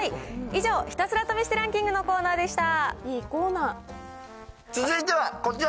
以上、ひたすら試してランキングのコーナーでした。